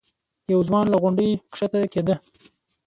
یو ځوان له غونډۍ ښکته کېده.